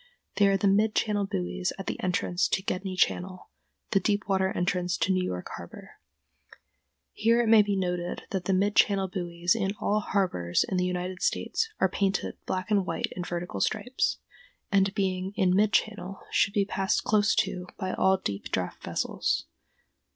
They are the mid channel buoys at the entrance to Gedney Channel, the deep water entrance to New York harbor. Here it may be noted that mid channel buoys in all harbors in the United States are painted black and white in vertical stripes, and, being in mid channel, should be passed close to by all deep draft vessels.